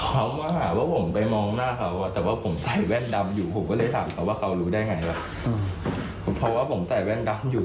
เขามาหาว่าผมไปมองหน้าเขาอ่ะแต่ว่าผมใส่แว่นดำอยู่ผมก็เลยถามเขาว่าเขารู้ได้ไงว่ะเพราะว่าผมใส่แว่นดำอยู่